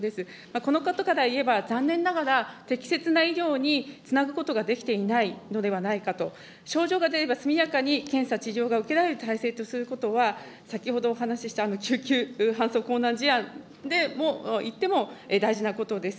このことから言えば、残念ながら、適切な医療につなぐことができていないのではないかと、症状が出れば速やかに検査、治療が受けられる体制とすることは、先ほどお話した救急搬送困難事案でも、いっても大事なことです。